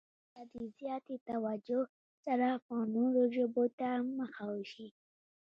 پښتو ته د زیاتې توجه سره به نورو ژبو ته مخه وشي.